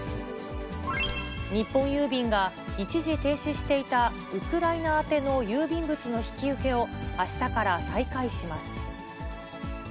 日本郵便が一時停止していたウクライナ宛ての郵便物の引き受けをあしたから再開します。